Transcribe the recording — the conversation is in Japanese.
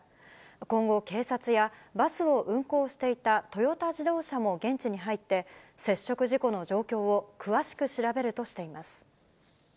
今後、警察やバスを運行していたトヨタ自動車も現地に入って、接触事故の状況を詳しく調べるとしています。